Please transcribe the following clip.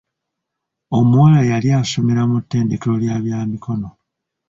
Omuwala yali asomera mu ttendekero lya bya mikono.